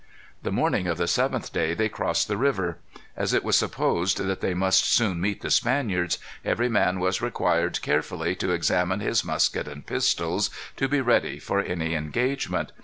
The morning of the seventh day they crossed the river. As it was supposed that they must soon meet the Spaniards, every man was required carefully to examine his musket and pistols, to be ready for any engagement.